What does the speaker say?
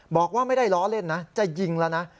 บอกว่าไม่ได้ล้อเล่นนะจะยิงแล้วนะ